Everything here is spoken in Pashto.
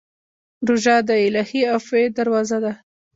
روژه د الهي عفوې دروازه ده.